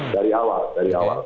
dari awal dari awal